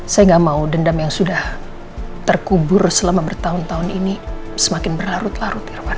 saya nggak mau dendam yang sudah terkubur selama bertahun tahun ini semakin berlarut larut irwan